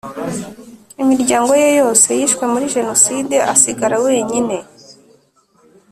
Imiryango ye yose yishwe muri jenoside asigara wenyine